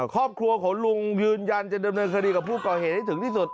ครอบครัวของลุงยืนยันจะดำเนินคดีกับผู้ก่อเหตุให้ถึงที่สุด